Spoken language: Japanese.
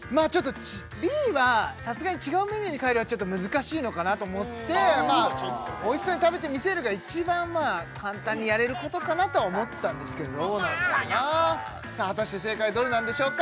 Ｂはさすがに「違うメニューに変える」はちょっと難しいのかなと思って「美味しそうに食べてみせる」が一番簡単にやれることかなと思ったんですけどどうなんだろなさあ果たして正解どれなんでしょうか？